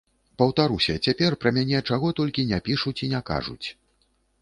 Паўтаруся, цяпер пра мяне чаго толькі не пішуць і не кажуць.